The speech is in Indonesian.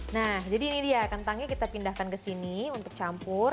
nah jadi ini dia kentangnya kita pindahkan ke sini untuk campur